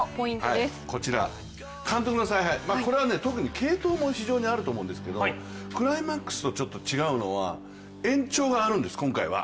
これは継投も非常にあると思うんですけど、クライマックスとちょっと違うのは延長があるんです、今回は。